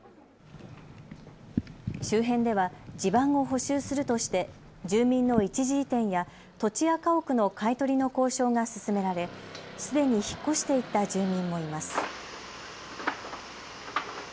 周辺では地盤を補修するとして住民の一時移転や土地や家屋の買い取りの交渉が進められすでに引っ越していった住民もいます。